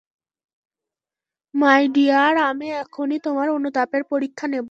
মাই dear, আমি এখনই তোমার অনুতাপের পরীক্ষা নেব।